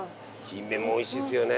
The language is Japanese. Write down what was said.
キンメも美味しいですよね。